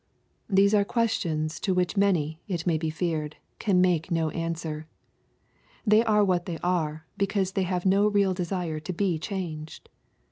— These are questions to which many, it may be feared, can make no answer. They are what they are, because they have no real desire to be changed.